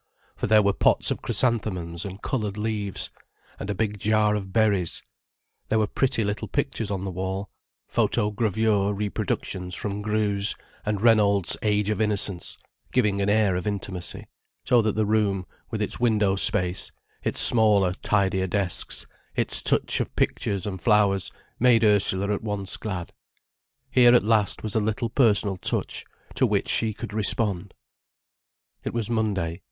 For there were pots of chrysanthemums and coloured leaves, and a big jar of berries: there were pretty little pictures on the wall, photogravure reproductions from Greuze, and Reynolds's "Age of Innocence", giving an air of intimacy; so that the room, with its window space, its smaller, tidier desks, its touch of pictures and flowers, made Ursula at once glad. Here at last was a little personal touch, to which she could respond. It was Monday.